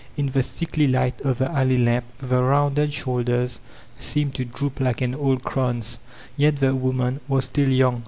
In the sickly light of the alley lamp the rounded shoulders seemed to droop like an old crone's. Yet the woman was still young.